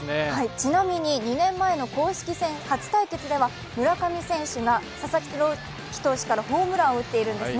ちなみに２年前の公式戦初対決では村上選手が佐々木朗希投手からホームランを打っているんですね。